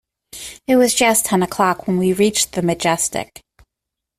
It was just ten o'clock when we reached the Majestic.